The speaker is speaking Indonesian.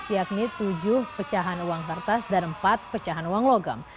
yakni tujuh pecahan uang kertas dan empat pecahan uang logam